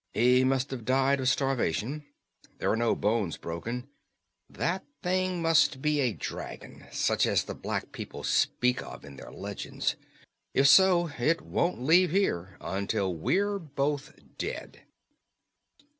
He must have died of starvation. There are no bones broken. That thing must be a dragon, such as the black people speak of in their legends. If so, it won't leave here until we're both dead."